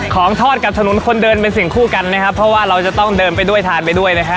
ของทอดกับถนนคนเดินเป็นสิ่งคู่กันนะครับเพราะว่าเราจะต้องเดินไปด้วยทานไปด้วยนะฮะ